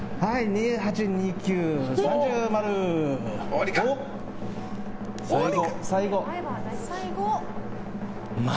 ２８、２９、３０、丸。